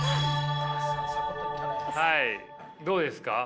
はいどうですか？